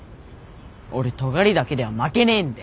俺尖りだけでは負けねえんで！